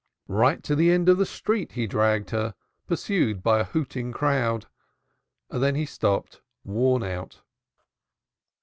Right to the end of the street he dragged her, pursued by a hooting crowd. Then he stopped, worn out.